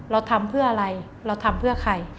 เราทำเพื่ออะไรเราทำเพื่อใคร